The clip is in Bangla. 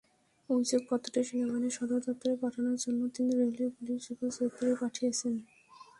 অভিযোগপত্রটি সেনাবাহিনীর সদর দপ্তরে পাঠানোর জন্য তিনি রেলওয়ে পুলিশ সুপার সৈয়দপুরে পাঠিয়েছেন।